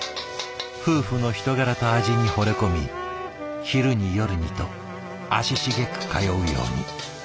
夫婦の人柄と味にほれ込み昼に夜にと足しげく通うように。